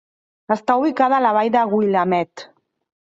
Està ubicada a la vall de Willamette.